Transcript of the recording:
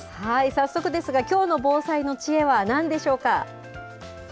早速ですが、きょうの防災の知恵はなんでしょうか。